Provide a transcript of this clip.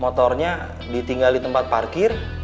motornya ditinggal di tempat parkir